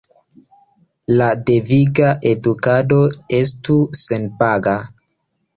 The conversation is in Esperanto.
La deviga edukado estu senpaga.